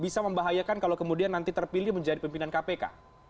bisa membahayakan kalau kemudian nanti terpilih menjadi pimpinan kpk